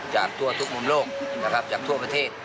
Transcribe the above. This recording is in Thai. จากทั่วทุกมุมโลกจากทั่วประเทศ